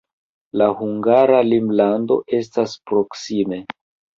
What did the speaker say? La hungara landlimo estas proksime.